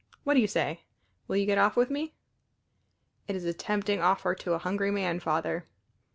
What do you say? Will you get off with me?" "It is a tempting offer to a hungry man, Father."